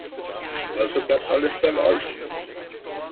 Also bleibt alles beim Alten.